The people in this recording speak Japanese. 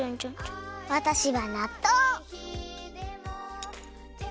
わたしはなっとう！